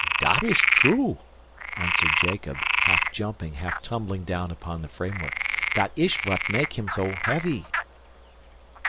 "Dat ish true," answered Jacob, half jumping, half tumbling down upon the framework, "dat ish vot make him sho heavy."